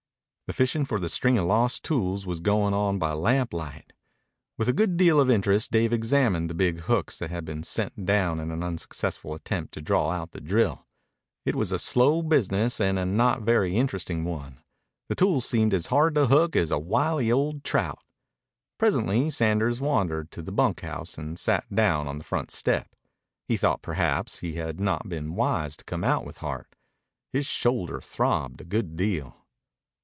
The fishing for the string of lost tools was going on by lamplight. With a good deal of interest Dave examined the big hooks that had been sent down in an unsuccessful attempt to draw out the drill. It was a slow business and a not very interesting one. The tools seemed as hard to hook as a wily old trout. Presently Sanders wandered to the bunkhouse and sat down on the front step. He thought perhaps he had not been wise to come out with Hart. His shoulder throbbed a good deal.